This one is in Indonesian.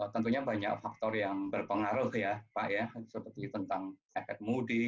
tentunya banyak faktor yang berpengaruh ya pak ya seperti tentang efek mudi